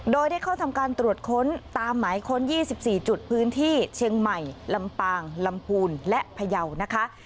โดยได้เข้าทำการตรวจค้นตามหมายค้น๒๔จุดพื้นที่เชียงใหม่ลำปางลำพูนและพยาวนะคะ